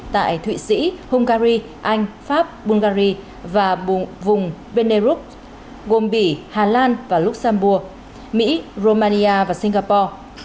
tại thụy sĩ hungary anh pháp bungary và vùng veneurk gồm bỉ hà lan và luxembourg mỹ romania và singapore